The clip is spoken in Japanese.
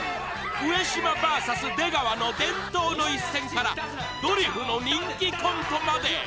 上島ＶＳ出川の伝統の一戦からドリフの人気コントまで。